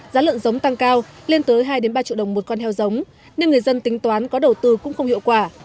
giá lợn giống tăng cao lên tới hai ba triệu đồng một con heo giống nên người dân tính toán có đầu tư cũng không hiệu quả